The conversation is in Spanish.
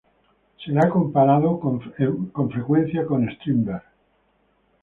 Se le ha comparado con frecuencia con Strindberg.